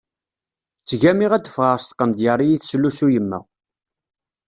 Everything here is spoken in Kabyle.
Ttgammiɣ ad ffɣeɣ s tqendyar iyi-teslusu yemma.